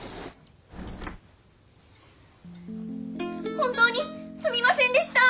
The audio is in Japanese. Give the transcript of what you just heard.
本当にすみませんでした！